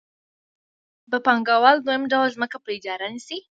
ب پانګوال دویم ډول ځمکه په اجاره نیسي